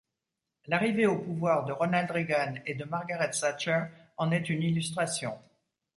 L'arrivée au pouvoir de Ronald Reagan et de Margaret Thatcher en est une illustration.